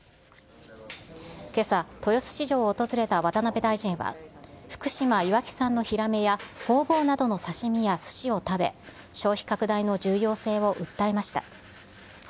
けさ、豊洲市場を訪れた渡辺大臣は、福島・いわき産の刺身やホウボウなどの刺し身やすしを食べ、消費拡大の重要性を訴えました。